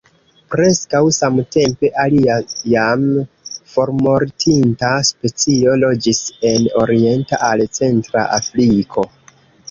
Preskaŭ samtempe, alia jam formortinta specio loĝis en orienta al centra Afriko.